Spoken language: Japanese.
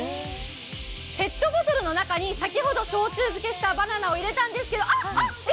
ペットボトルの中に先ほど焼酎漬けしたバナナを入れたんですけど、あ！